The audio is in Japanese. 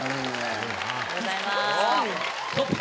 おはようございます。